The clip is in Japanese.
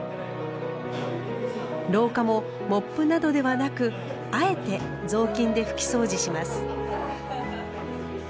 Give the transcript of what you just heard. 廊下もモップなどではなくあえて雑巾で拭きそうじします。